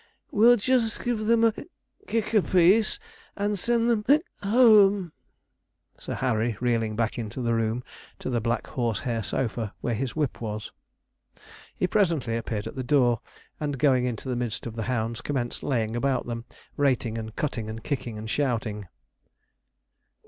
'We'll just give them a kick a piece and send them (hiccuping) home,' Sir Harry reeling back into the room to the black horse hair sofa, where his whip was. He presently appeared at the door, and, going into the midst of the hounds, commenced laying about him, rating, and cutting, and kicking, and shouting.